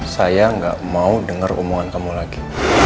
saya gak mau denger umuan kamu lagi